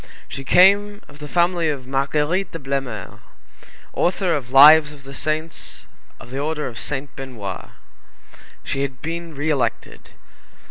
She came of the family of Marguerite de Blemeur, author of Lives of the Saints of the Order of Saint Benoît. She had been re elected.